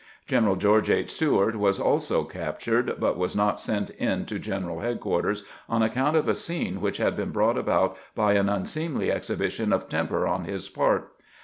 General George H. Steuart was also captured, but was not sent in to gen eral headquarters on account of a scene which had been brought about by an unseemly exhibition of temper on his part.